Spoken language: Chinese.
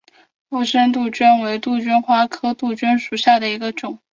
附生杜鹃为杜鹃花科杜鹃属下的一个种。